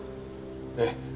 ええ。